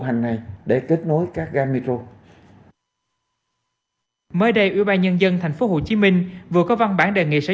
hành này để kết nối các gà metro mới đây ủy ban nhân dân tp hcm vừa có văn bản đề nghị xã